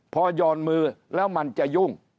พอย่อนมือแล้วมันจะยุ่ง